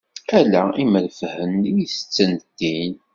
Ala imreffhen i itetten din.